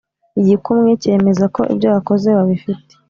igikumwe cyemeza ko ibyo wakoze babifite